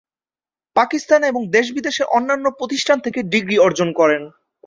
পাকিস্তান এবং দেশ-বিদেশের অন্যান্য প্রতিষ্ঠান থেকে ডিগ্রি অর্জন করেন।